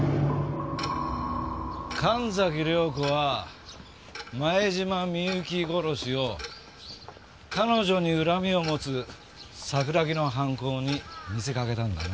神崎涼子は前島美雪殺しを彼女に恨みを持つ桜木の犯行に見せかけたんだな。